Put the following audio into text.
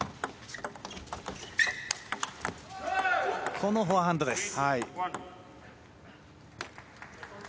このフォアハンドです。